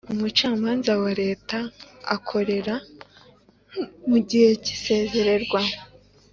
Umucamanza wa Leta akorera mu gihe cy’isezererwa